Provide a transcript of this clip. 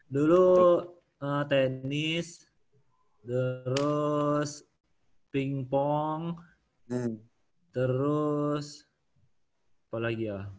dulu tenis terus ping pong terus apa lagi ya